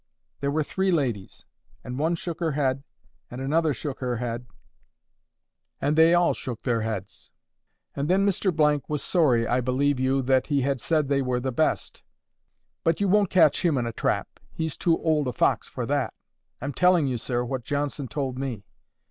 There were three ladies; and one shook her head, and another shook her head, and they all shook their heads. And then Mr— was sorry, I believe you, that he had said they were the best. But you won't catch him in a trap! He's too old a fox for that.' I'm telling you, sir, what Johnson told me.